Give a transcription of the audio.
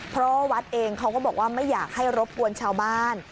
เพราะว่าวัดเองเขาก็บอกว่าไม่อยากให้รบกวนชาวบ้าน